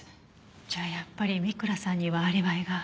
じゃあやっぱり三倉さんにはアリバイが。